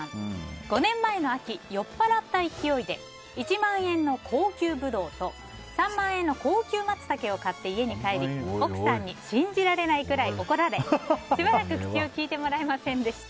５年前の秋、酔っぱらった勢いで１万円の高級ブドウと３万円の高級マツタケを買って家に帰り奥さんに信じられないくらい怒られ、しばらく口をきいてもらえませんでした。